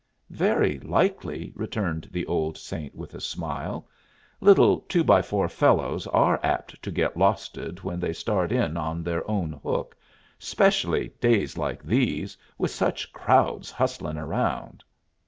"Very likely," returned the old saint with a smile. "Little two by four fellows are apt to get losted when they start in on their own hook, specially days like these, with such crowds hustlin' around."